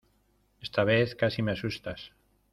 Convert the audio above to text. Esta vez casi me asustas.